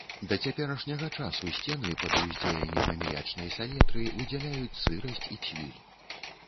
Да цяперашняга часу сцены пад уздзеяннем аміячнай салетры выдзяляюць сырасць і цвіль.